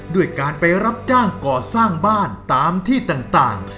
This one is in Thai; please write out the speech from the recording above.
ด้วยการไปรับจ้างก่อสร้างบ้านตามที่ต่าง